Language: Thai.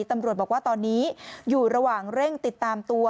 ตำรวจบอกว่าตอนนี้อยู่ระหว่างเร่งติดตามตัว